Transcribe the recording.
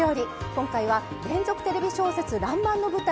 今回は連続テレビ小説「らんまん」の舞台